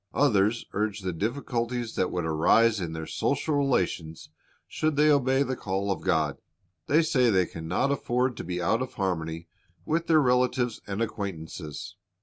"^ Others urge the difficulties that would arise in their social relations should they obey the call of God. They say they can not afford to be out of harmony with their relatives and acquaintances.